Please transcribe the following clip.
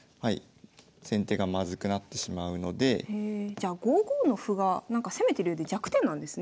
じゃあ５五の歩が攻めてるようで弱点なんですね。